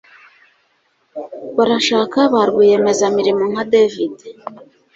Barashaka ba rwiyemezamirimo nka David